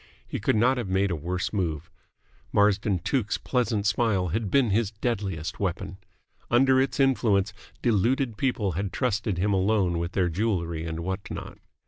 He could not have made a worse move. Marsden Tuke's pleasant smile had been his deadliest weapon. Under its influence deluded people had trusted him alone with their jewellery and what not.